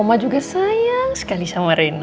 oma juga sayang sekali sama reina